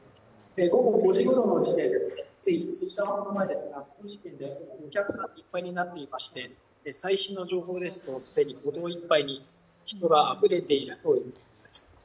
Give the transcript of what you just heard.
午後５時ごろの時点で、つい１時間前ですが、お客さんでいっぱいになっていまして、最新の情報ですと、既に歩道いっぱいに人があふれているといいます。